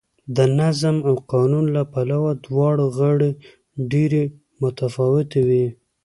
د نظم او قانون له پلوه دواړه غاړې ډېرې متفاوتې وې